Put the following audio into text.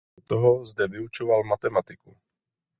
Kromě toho zde vyučoval matematiku.